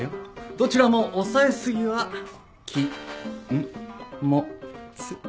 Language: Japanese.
どちらも押さえ過ぎはき・ん・も・つ。